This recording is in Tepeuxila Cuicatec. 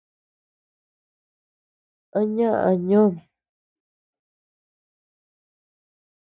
¿A ñaʼa ñoom?